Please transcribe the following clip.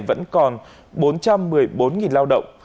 vẫn còn bốn trăm một mươi bốn lao động